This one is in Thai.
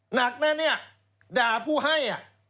หนักนะเนี่ยด่าผู้ให้